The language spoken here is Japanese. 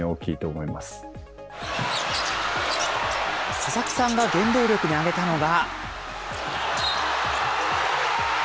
佐々木さんが原動力に挙げたのは。